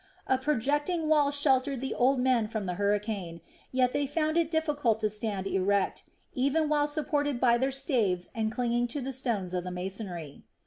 A projecting wall sheltered the old men from the hurricane, yet they found it difficult to stand erect, even while supported by their staves and clinging to the stones of the masonry.